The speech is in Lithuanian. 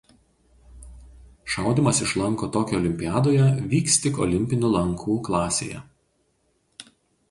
Šaudymas iš lanko Tokijo olimpiadoje vyks tik olimpinių lankų klasėje.